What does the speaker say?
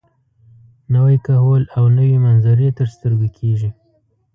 نوی کهول او نوې منظرې تر سترګو کېږي.